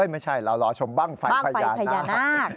ไม่ใช่เรารอชมบ้างไฟพญานาค